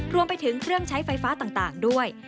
รวมไปถึงเครื่องใช้ไฟฟ้าต่างด้วย